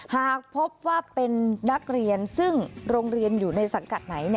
หากพบว่าเป็นนักเรียนซึ่งโรงเรียนอยู่ในสังกัดไหน